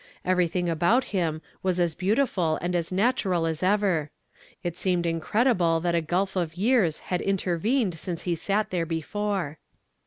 Everything about luni was as beautiful and as natural as ever; it seemed incredible that a gulf of yeai s had inter vened since he sat there before